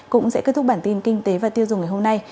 cũng sẽ kết thúc bản tin kinh tế và tiêu dùng ngày hôm nay